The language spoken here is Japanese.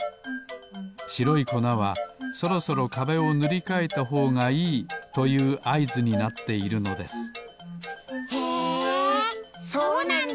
しろいこなはそろそろかべをぬりかえたほうがいいというあいずになっているのですへえそうなんだ！